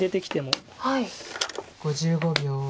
５５秒。